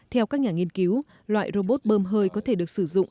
theo các nhà nghiên cứu loại robot bơm hơi có thể được sử dụng